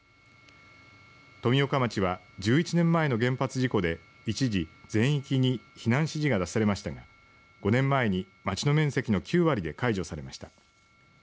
富岡町は１１年前の原発事故で一時、全域に避難指示が出されましたが５年前に町の面積の９割で解除されました。